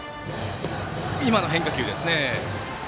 今の変化球ですね。